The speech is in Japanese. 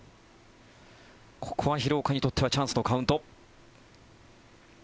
ここは廣岡にとってはチャンスのカウント。